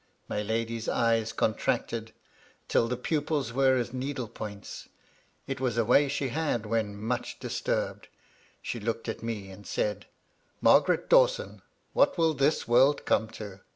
My lady's eyes contracted till the pupils were as needle points ; it was a way she had when much dis turbed. She looked at me, and said, "Margaret Dawson, what will this world come to?"